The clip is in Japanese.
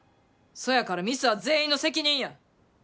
そやからミスは全員の責任や。